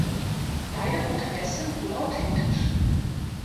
Beide Porträts sind wohl authentisch.